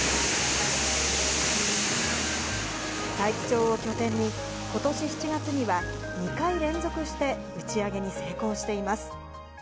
大樹町を拠点に、ことし７月には、２回連続して打ち上げに成功しています。